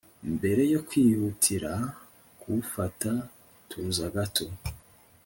mbere yo kwihutira kuwufata tuza gato